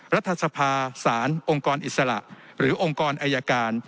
รัฐสภาสารองค์กรอิสระหรือองค์กรอายการ